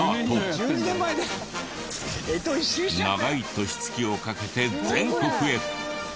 長い年月をかけて全国へ。